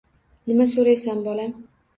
Nimani so’raysan, bolam?